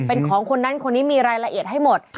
เป็นของคนนั้นคนนี้มีรายละเอียดให้หมด